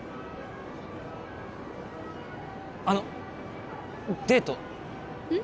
あのデートうん？